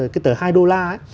cái tờ hai đô la